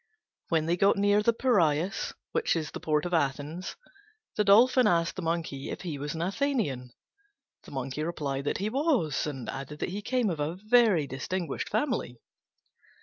When they got near the Piræus, which is the port of Athens, the Dolphin asked the Monkey if he was an Athenian. The Monkey replied that he was, and added that he came of a very distinguished family.